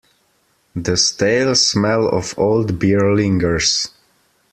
The stale smell of old beer lingers.